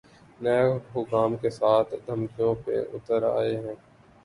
NAB حکام کے ساتھ دھمکیوں پہ اتر آئے ہیں۔